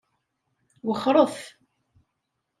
Wexxeṛet!